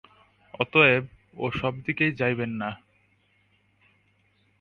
অতএব ও-সব দিকেই যাইবেন না।